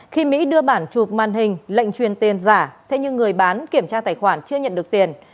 khi mỹ đưa bản chụp màn hình lệnh truyền tiền giả thế nhưng người bán kiểm tra tài khoản chưa nhận được tiền